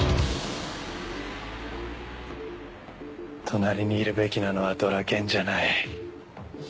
隣にいるべきなのはドラケンじゃない。